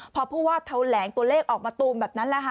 พอผู้ว่าแถลงตัวเลขออกมาตูมแบบนั้นแหละค่ะ